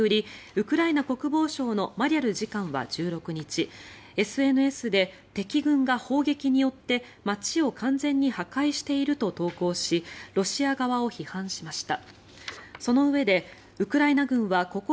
ウクライナ国防省のマリャル次官は１６日ＳＮＳで敵軍が砲撃によって街を完全に破壊していると投稿しロシア側を批判しました。